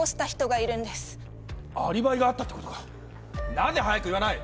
なぜ早く言わない！？